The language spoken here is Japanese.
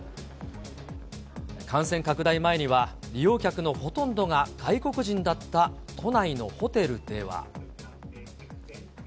感染拡大前には利用客のほとんどが外国人だった都内のホテルでは。